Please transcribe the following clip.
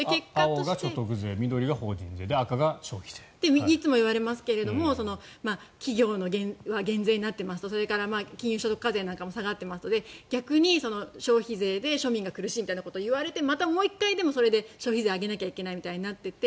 青が所得税、緑が法人税っていつも言われますが企業は減税になっていますとそれから金融所得課税なんかも下がっていますので逆に消費税で庶民が苦しいみたいなことを言われてまたもう１回それで消費税を上げなきゃいけないみたいになってて。